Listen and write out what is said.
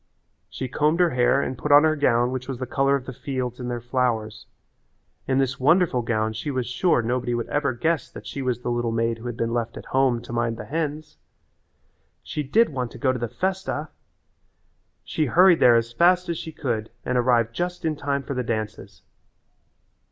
She combed her hair and put on her gown which was the colour of the fields and all their flowers. In this wonderful gown she was sure nobody would ever guess that she was the little maid who had been left at home to mind the hens. She did want to go to the festa! She hurried there as fast as she could and arrived just in time for the dances.